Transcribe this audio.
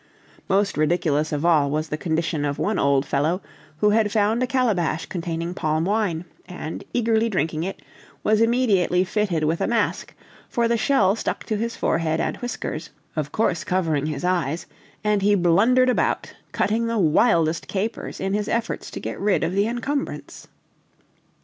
Most ridiculous of all was the condition of one old fellow, who had found a calabash containing palm wine, and, eagerly drinking it, was immediately fitted with a mask, for the shell stuck to his forehead and whiskers, of course covering his eyes; and he blundered about, cutting the wildest capers in his efforts to get rid of the encumbrance.